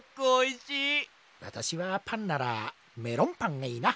わたしはパンならメロンパンがいいな。